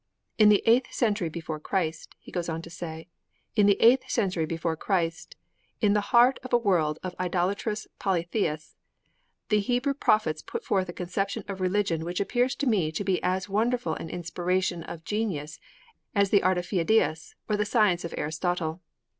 'In the eighth century before Christ,' he goes on to say, 'in the eighth century before Christ, in the heart of a world of idolatrous polytheists, the Hebrew prophets put forth a conception of religion which appears to me to be as wonderful an inspiration of genius as the art of Pheidias or the science of Aristotle.